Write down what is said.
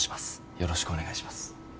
よろしくお願いします。